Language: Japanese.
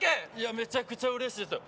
めちゃくちゃうれしいですよ。